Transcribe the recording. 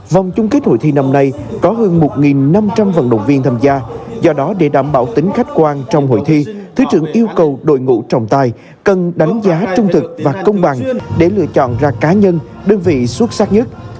vòng chung kết hội thi năm nay có hơn một năm trăm linh vận động viên tham gia do đó để đảm bảo tính khách quan trong hội thi thứ trưởng yêu cầu đội ngũ trọng tài cần đánh giá trung thực và công bằng để lựa chọn ra cá nhân đơn vị xuất sắc nhất